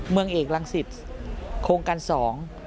เมืองเอกรังสิตโครงการสอง